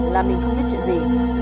làm mình không biết chuyện gì